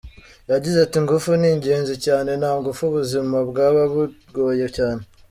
Yagize ati ”Ingufu ni ingenzi cyane, nta ngufu ubuzima bwaba bugoye cyane.